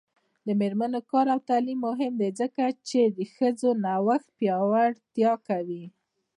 د میرمنو کار او تعلیم مهم دی ځکه چې ښځو نوښت پیاوړتیا کوي.